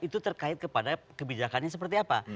itu terkait kepada kebijakannya seperti apa